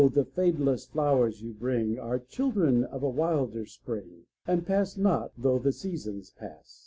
the fadeless flowers you bring Are children of a wilder Spring, And pass not tho' the seasons pass.